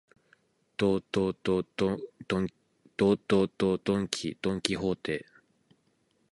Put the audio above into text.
ど、ど、ど、ドンキ、ドンキホーテ